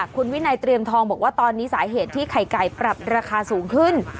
คุณวินัยเตรียมทองบอกว่าตอนนี้สาเหตุที่ไข่ไก่ปรับราคาสูงขึ้น